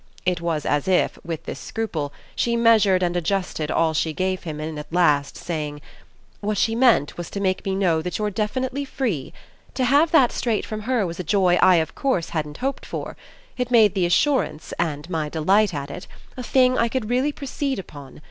It was as if, with this scruple, she measured and adjusted all she gave him in at last saying: "What she meant was to make me know that you're definitely free. To have that straight from her was a joy I of course hadn't hoped for: it made the assurance, and my delight at it, a thing I could really proceed upon.